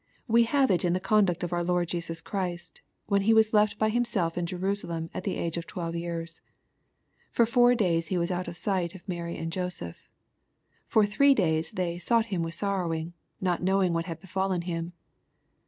We have it in the conduct of our Lord Jesus Christ, when He was left by Himself in Jerusalem at the age of twelve years. For four days He was out of sight of Mary and Joseph. For three days they " sought him sorrowing," not knowing what had befallen Him.